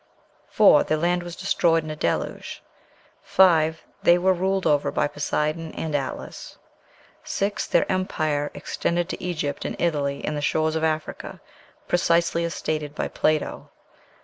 4. Their land was destroyed in a deluge. 5. They were ruled over by Poseidon and Atlas. 6. Their empire extended to Egypt and Italy and the shores of Africa, precisely as stated by Plato.